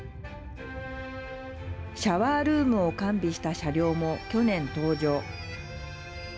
シャワールームを完備した車両も去年、登場。